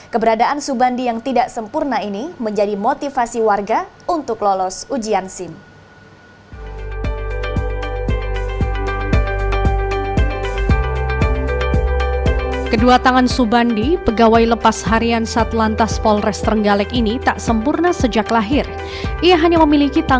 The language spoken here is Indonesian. keberadaan subandi yang tidak sempurna ini menjadi motivasi warga untuk lolos ujian sim